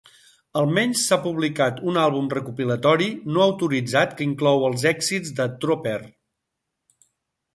Almenys s'ha publicat un àlbum recopilatori no autoritzat que inclou els èxits de Trooper.